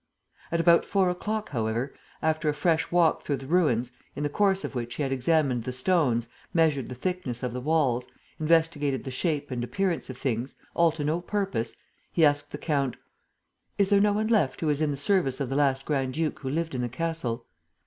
At about four o'clock, however, after a fresh walk through the ruins, in the course of which he had examined the stones, measured the thickness of the walls, investigated the shape and appearance of things, all to no purpose, he asked the count: "Is there no one left who was in the service of the last grand duke who lived in the castle?"